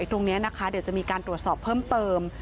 ตรงนี้นะคะเดี๋ยวจะมีการตรวจสอบเพิ่มเติม